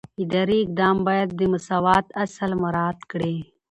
اداري اقدام باید د مساوات اصل مراعات کړي.